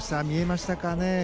見えましたかね。